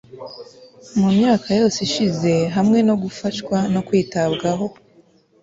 mu myaka yose ishize hamwe no gufashwa no kwitabwaho